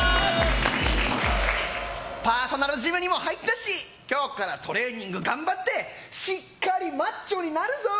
パーソナルジムにも入ったし今日からトレーニング頑張ってしっかりマッチョになるぞ！